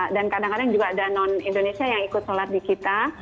dan kadang kadang juga ada non indonesia yang ikut sholat di kita